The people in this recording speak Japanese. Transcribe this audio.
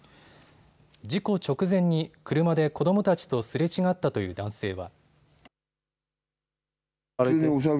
事故直前に車で子どもたちとすれ違ったという男性は。